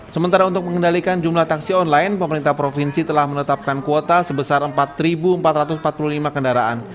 sementara untuk mengendalikan jumlah taksi online pemerintah provinsi telah menetapkan kuota sebesar empat empat ratus empat puluh lima kendaraan